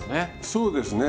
そうですね。